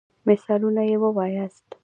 مثالونه يي ووایاست.